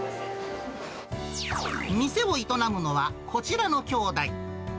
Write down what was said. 店を営むのは、こちらの兄弟。